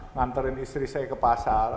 nganterin istri saya ke pasar